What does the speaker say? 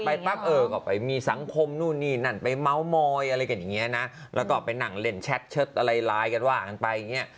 ปั๊บเออก็ไปมีสังคมนู่นนี่นั่นไปเมาส์มอยอะไรกันอย่างเงี้ยนะแล้วก็ไปนั่งเล่นแชทเชิดอะไรไลน์กันว่ากันไปอย่างเงี้ย